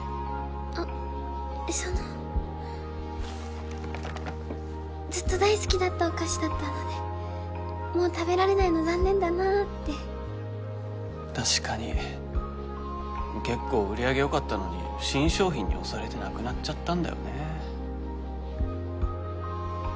あっそのずっと大好きだったお菓子だったのでもう食べられないの残念だなあって確かに結構売り上げよかったのに新商品に押されてなくなっちゃったんだよね